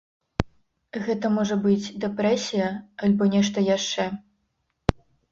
Гэта можа быць дэпрэсія альбо нешта яшчэ.